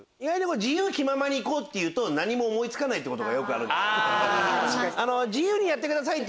自由気ままに行こうっていうと何も思い付かないことがよくあるんですよ。